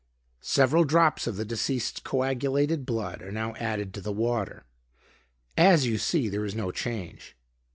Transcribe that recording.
Several drops of the deceased's coagulated blood are now added to the water. As you see, there is no change.